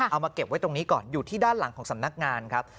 เอามาเก็บไว้ตรงนี้ก่อนอยู่ที่ด้านหลังของสำนักงานครับ